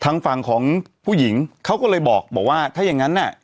ทางฝั่งของผู้หญิงเขาก็เลยบอกว่าถ้าอย่างงั้นน่ะ